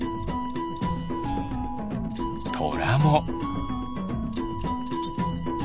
トラも。